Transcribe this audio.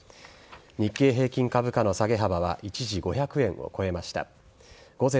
日経平均株価の下げ幅は一時５００円を超えました。